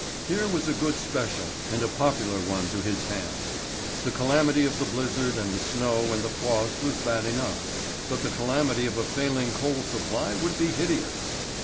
Here was a good special and a popular one to his hand. The calamity of the blizzard and the snow and the frost was bad enough, but the calamity of a failing coal supply would be hideous.